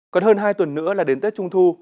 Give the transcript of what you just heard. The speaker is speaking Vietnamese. còn hơn hai tuần nữa là đến tết trung thu